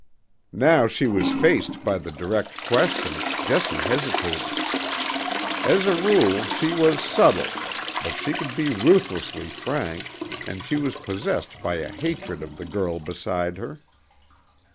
Now she was faced by the direct question, Jessie hesitated. As a rule, she was subtle, but she could be ruthlessly frank, and she was possessed by a hatred of the girl beside her.